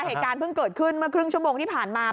เหตุการณ์เพิ่งเกิดขึ้นเมื่อครึ่งชั่วโมงที่ผ่านมา